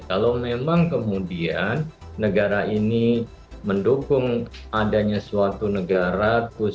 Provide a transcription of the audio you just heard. kalau memang kemudian negara ini mendukung adanya suatu negara